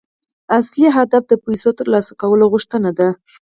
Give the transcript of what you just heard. اصلي هدف د پيسو ترلاسه کولو غوښتنه ده.